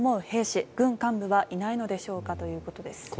兵士軍幹部はいないのでしょうかということです。